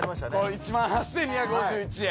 １万８，２５１円。